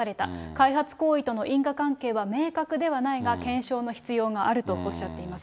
開発行為との因果関係は明確ではないが、検証の必要があるとおっしゃっています。